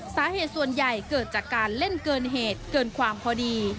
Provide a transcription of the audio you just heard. สาเหตุส่วนใหญ่เกิดจากการเล่นเกินเหตุเกินความพอดี